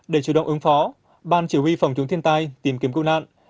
để chủ động ứng phó ban chỉ huy phòng chống thiên tai tìm kiếm cứu nạn